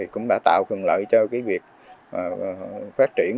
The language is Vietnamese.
cũng đã tạo phần lợi cho việc phát triển